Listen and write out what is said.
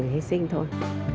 chỉ phải hi sinh thôi